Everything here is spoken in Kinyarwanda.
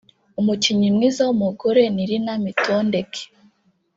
Umukinnyi mwiza w’umugore ni Lina Mitondeke